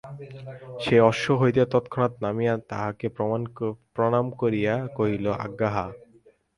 সে অশ্ব হইতে তৎক্ষণাৎ নামিয়া তাঁহাকে প্রণাম করিয়া কহিল আজ্ঞা হাঁ।